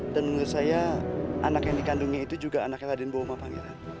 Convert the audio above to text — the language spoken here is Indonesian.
dan menurut saya anak yang dikandungnya itu juga anak raden boma pangeran